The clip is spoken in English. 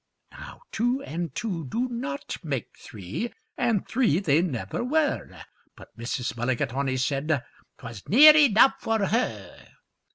Now two and two do not make three, and three they never were; But Mrs. Mulligatawny said 'twas near enough for her.